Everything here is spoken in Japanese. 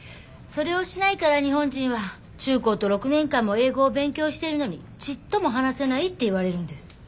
それをしないから日本人は中・高と６年間も英語を勉強してるのにちっとも話せないって言われるんです。